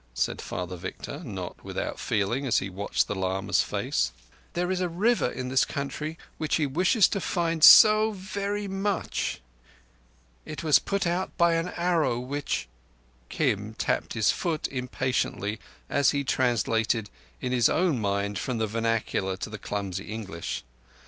said Father Victor, not without feeling, as he watched the lama's face. "There is a River in this country which he wishes to find so verree much. It was put out by an Arrow which—" Kim tapped his foot impatiently as he translated in his own mind from the vernacular to his clumsy English.